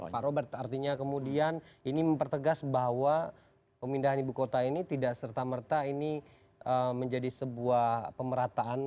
pak robert artinya kemudian ini mempertegas bahwa pemindahan ibu kota ini tidak serta merta ini menjadi sebuah pemerataan